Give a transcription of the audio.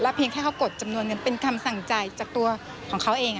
เพียงแค่เขากดจำนวนเงินเป็นคำสั่งจ่ายจากตัวของเขาเอง